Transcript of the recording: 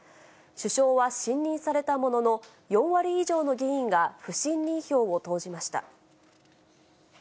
首相は信任されたものの、４割以上の議員が不信任票を投じました。